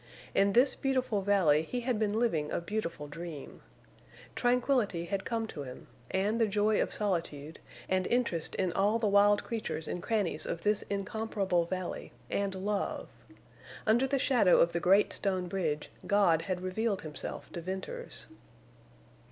In this beautiful valley he had been living a beautiful dream. Tranquillity had come to him, and the joy of solitude, and interest in all the wild creatures and crannies of this incomparable valley—and love. Under the shadow of the great stone bridge God had revealed Himself to Venters.